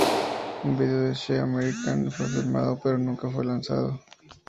Un video de "She's American" fue filmado, pero nunca fue lanzado.